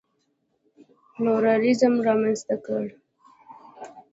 پلورالېزم رامنځته کړ.